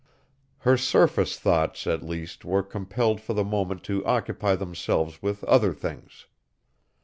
Her surface thoughts, at least, were compelled for the moment to occupy themselves with other things.